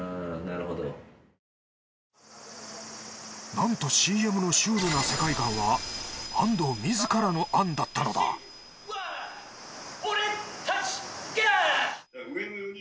なんとＣＭのシュールな世界観は安藤自らの案だったのだ俺たちが！